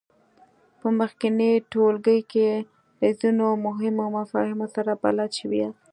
په مخکېني ټولګي کې له ځینو مهمو مفاهیمو سره بلد شوي یاست.